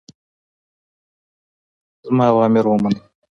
زما اوامر ومنئ.